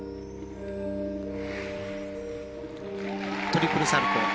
トリプルサルコウ。